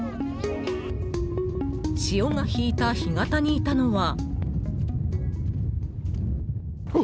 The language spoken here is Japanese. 潮がひいた干潟にいたのは。